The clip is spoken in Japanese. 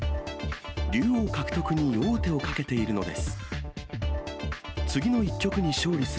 竜王獲得に王手をかけているのです。